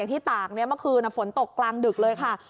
ที่ตากเมื่อคืนฝนตกกลางดึกเลยค่ะ